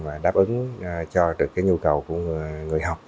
và đáp ứng cho nhu cầu của người học